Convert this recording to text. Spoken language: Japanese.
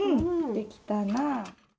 できたなあ。